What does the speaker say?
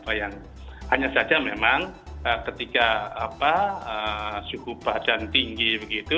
hanya saja memang ketika suhu badan tinggi begitu